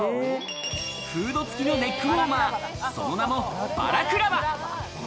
フード付きのネックウォーマー、その名もバラクラバ。